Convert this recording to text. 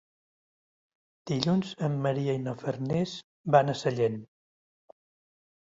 Dilluns en Maria i na Farners van a Sellent.